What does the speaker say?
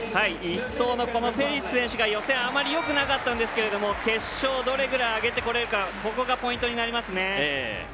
１走のフェリス選手が予選あまりよくなかったんですけど決勝、どれぐらい上げてこれるかがポイントになります。